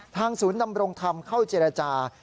ศูนย์ดำรงธรรมเข้าเจรจา